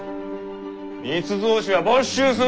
密造酒は没収する。